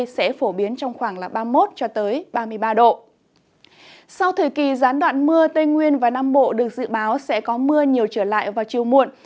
sau thời kỳ gián đoạn mưa tây nguyên và nam bộ được dự báo sẽ có mưa nhiều trở lại vào chiều muộn